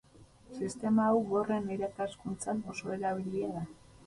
Sistema hau gorren irakaskuntzan oso erabilia da.